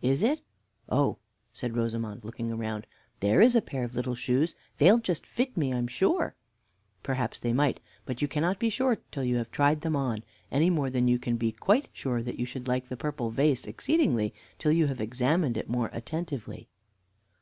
"Is it? Oh!" said Rosamond, looking round, "there is a pair of little shoes; they'll just fit me, I'm sure." "Perhaps they might; but you cannot be sure till you have tried them on, any more than you can be quite sure that you should like the purple vase exceedingly, till you have examined it more attentively."